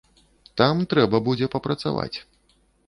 Там трэба будзе папрацаваць.